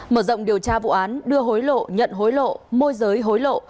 mở rộng điều tra vụ án đưa hối lộ nhận hối lộ môi giới hối lộ